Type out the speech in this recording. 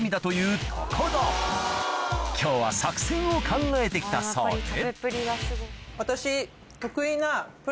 今日は作戦を考えて来たそうで私。